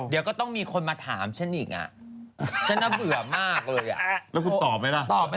ไว้ดูนะก็ต้องมีคนมาถามฉันอีกอ่ะฉันน่าเบื่อมากเลยอ่ะ